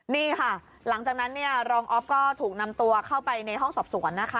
นี่ค่ะหลังจากนั้นเนี่ยรองออฟก็ถูกนำตัวเข้าไปในห้องสอบสวนนะคะ